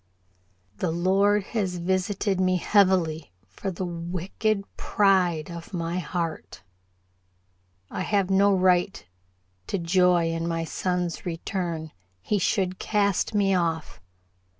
"The Lord has visited me heavily for the wicked pride of my heart. I have no right to joy in my son's return. He should cast me off."